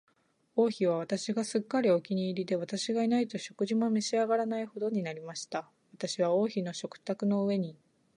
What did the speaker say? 王妃は私がすっかりお気に入りで、私がいないと食事も召し上らないほどになりました。私は王妃の食卓の上に、